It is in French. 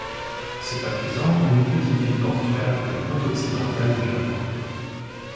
C'est à présent une petite ville portuaire de la côte occidentale du Japon.